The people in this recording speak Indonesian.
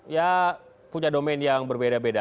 ya punya domain yang berbeda beda